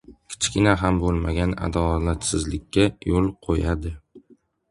kichkina ham bo‘lmagan adolatsizlikka yo‘l qo‘yadi.